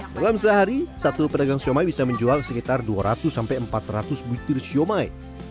dalam sehari satu pedagang shumai bisa menjual sekitar dua ratus empat ratus butir shumai